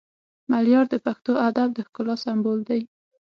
ملیار د پښتو ادب د ښکلا سمبول دی